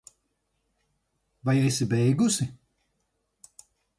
Vai esi beigusi?